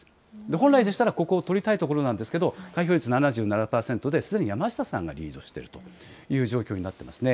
本来でしたら、ここを取りたいところなんですけど、開票率７７％で、すでに山下さんがリードしているという状況になっていますね。